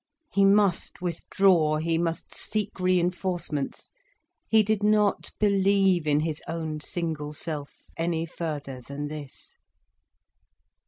He must withdraw, he must seek reinforcements. He did not believe in his own single self, any further than this.